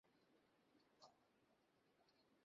তোমার পরিবারের খেয়াল রেখ।